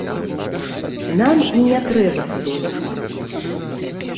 Нам і не трэба столькі.